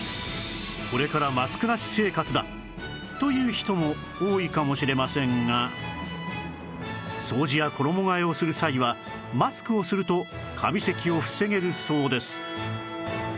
これからマスクなし生活だ！という人も多いかもしれませんが掃除や衣替えをする際はマスクをするとカビ咳を防げるそうです